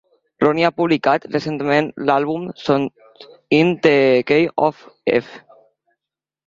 Ronnie ha publicat recentment l'àlbum "Songs in the Key of F".